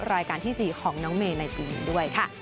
รายการที่๔ของน้องเมย์